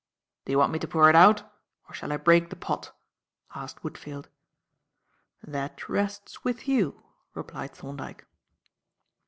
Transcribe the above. "Do you want me to pour it out, or shall I break the pot?" asked Woodfield. "That rests with you," replied Thorndyke.